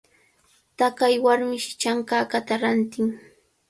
Taqay warmishi chankakata rantin.